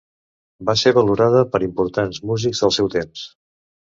Va ser valorada per importants músics del seu temps.